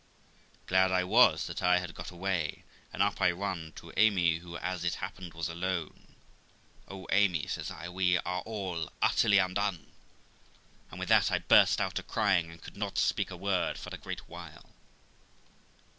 Glad I was that I had got away, and up I run to Amy, who, as it happened, was alone. ' Oh, Amy !' says I, ' we are all utterly undone.' And with that I burst out a crying, and could not speak a word for a great while.